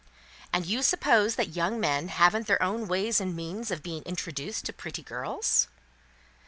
"And you suppose that young men haven't their own ways and means of being introduced to pretty girls?"